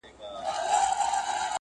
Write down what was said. د قاضي مخي ته ټول حاضرېدله؛